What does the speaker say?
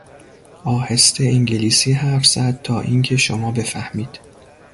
آهسته انگلیسی حرف زد تا اینکه شما بفهمید.